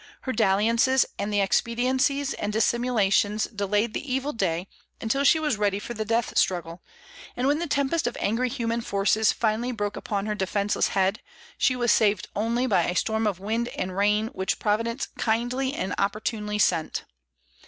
Her dalliances and expediencies and dissimulations delayed the evil day, until she was ready for the death struggle; and when the tempest of angry human forces finally broke upon her defenceless head, she was saved only by a storm of wind and rain which Providence kindly and opportunely sent.